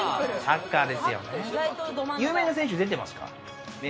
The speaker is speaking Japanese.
有名な選手出てますか？